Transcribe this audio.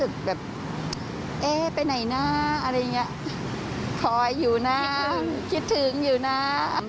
คอยอยู่น่ะคิดถึงอยู่น่ะ